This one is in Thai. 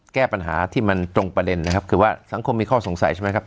แก้ปัญหาที่มันตรงประเด็นนะครับคือว่าสังคมมีข้อสงสัยใช่ไหมครับ